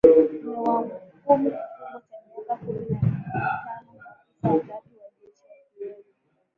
imewahukumu kifungo cha miaka kumi na mitano maofisa watatu wajeshi wakiwemo